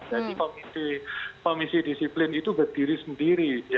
jadi komite disiplin itu berdiri sendiri